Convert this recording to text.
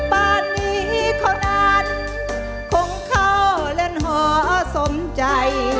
บ้านดีของนั้นคงเข้าเลินหอสมใจ